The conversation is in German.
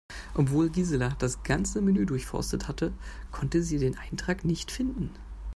Obwohl Gisela das ganze Menü durchforstet hatte, konnte sie den Eintrag nicht finden.